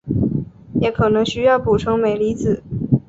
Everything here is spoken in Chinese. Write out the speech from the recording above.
也可能需要补充镁离子。